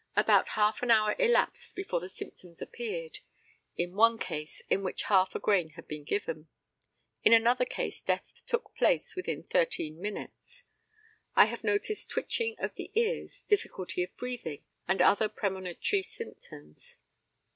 About half an hour elapsed before the symptoms appeared in one case in which half a grain had been given. In another case death took place within 13 minutes. I have noticed twitching of the ears, difficulty of breathing, and other premonitory symptoms.